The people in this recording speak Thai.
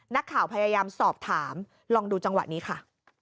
นักข่าวพยายามสอบถามลองดูจังหวะนี้ค่ะ